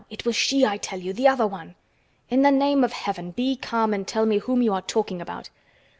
It was she, I tell you, the other one!" "In the name of heaven, be calm and tell me whom you are talking about."